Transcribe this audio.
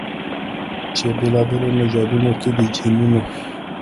چې بېلابېلو نژادونو کې د جینونو